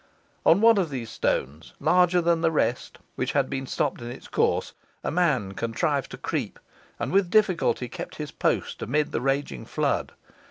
On one of these stones, larger than the rest, which had been stopped in its course, a man contrived to creep, and with difficulty kept his post amid the raging flood.